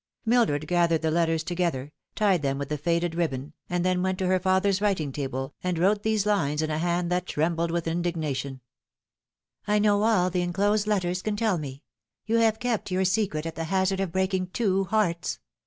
Mildred gathered the letters together, tied them with the faded ribbon, and then went to her father's writing table and wrote these lines, in a hand that trembled with indignation :" I know all.the enclosed letters can tell me. You have kept your secret at the hazard of breaking two hearts.